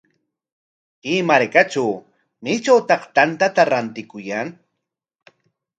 Kay markatraw, ¿maytrawtaq tantata rantikuyan?